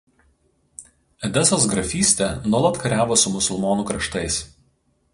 Edesos grafystė nuolat kariavo su musulmonų kraštais.